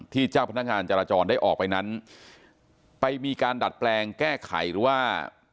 เจ้าพนักงานจราจรได้ออกไปนั้นไปมีการดัดแปลงแก้ไขหรือว่า